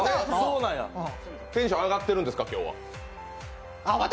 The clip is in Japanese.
テンション、上がってるんですか？